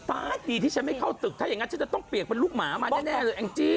ตายดีที่ฉันไม่เข้าตึกถ้าอย่างนั้นฉันจะต้องเปียกเป็นลูกหมามาแน่เลยแองจี้